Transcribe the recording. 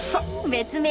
別名